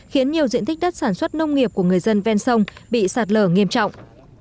khiến nhiều diện tích đất sản xuất nông nghiệp của người dân ven sông bị sạt lở nghiêm trọng